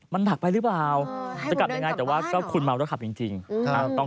มันถักไปรึเปล่าเอ่อให้กับเป็นไงแต่ว่าก็คุณมาวนต้องขับจริงจริง